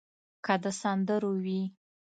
که د سندرو وي.